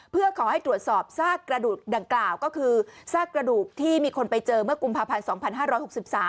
เพื่อขอให้ตรวจสอบซากกระดูกดังกล่าวก็คือซากกระดูกที่มีคนไปเจอเมื่อกุมภาพันธ์๒๕๖๓